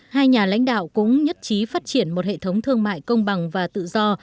hai nhà lãnh đạo cũng nhất trí phát triển một hệ thống thương mại công bằng và tự do